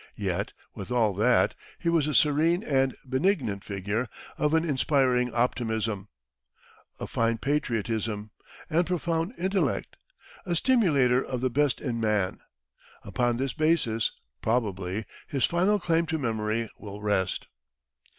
Yet, with all that, he was a serene and benignant figure, of an inspiring optimism, a fine patriotism, and profound intellect a stimulator of the best in man. Upon this basis, probably, his final claim to memory will rest.